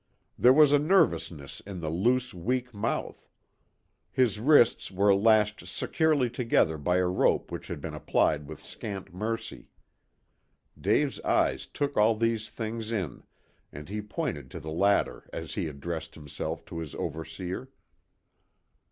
There was a nervousness in the loose, weak mouth. His wrists were lashed securely together by a rope which had been applied with scant mercy. Dave's eyes took all these things in, and he pointed to the latter as he addressed himself to his overseer.